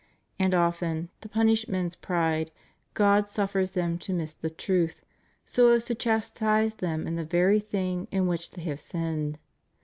And often, to punish men's pride, God suffers them to miss the truth, so as to chastise them in the very thing in which they have sinned.